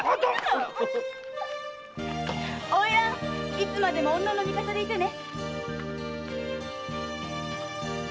いつまでも女の味方でいてね。